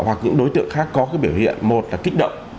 hoặc những đối tượng khác có cái biểu hiện một là kích động